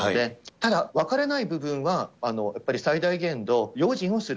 ただ、分からない部分は、やっぱり最大限度、用心をする。